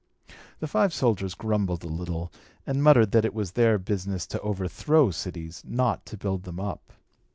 The five soldiers grumbled a little, and muttered that it was their business to overthrow cities, not to build them up.